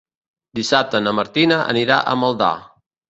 Dissabte na Martina anirà a Maldà.